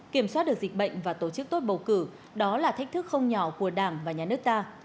kiểm soát được dịch bệnh và tổ chức tốt bầu cử đó là thách thức không nhỏ của đảng và nhà nước ta